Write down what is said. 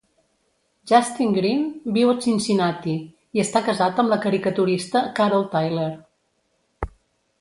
Justin Green viu a Cincinnati i està casat amb la caricaturista Carol Tyler.